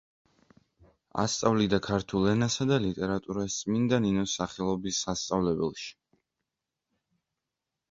ასწავლიდა ქართულ ენასა და ლიტერატურას წმინდა ნინოს სახელობის სასწავლებელში.